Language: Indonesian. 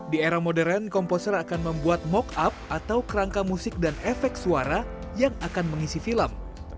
di era modern komposer akan membuat mock up atau kerangka musik dan efek suara yang akan mengisi film